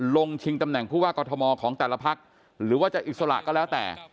ชิงตำแหน่งผู้ว่ากอทมของแต่ละพักหรือว่าจะอิสระก็แล้วแต่